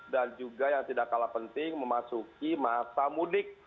dan juga yang tidak kalah penting memasuki masa mudik